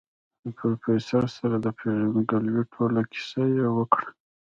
د پروفيسر سره د پېژندګلوي ټوله کيسه يې وکړه.